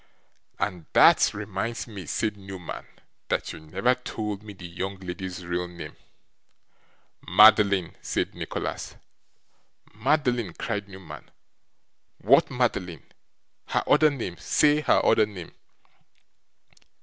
'And that reminds me,' said Newman, 'that you never told me the young lady's real name.' 'Madeline!' said Nicholas. 'Madeline!' cried Newman. 'What Madeline? Her other name. Say her other name.